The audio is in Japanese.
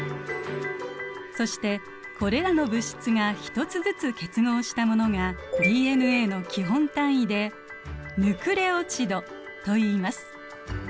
そしてこれらの物質が１つずつ結合したものがＤＮＡの基本単位でヌクレオチドといいます。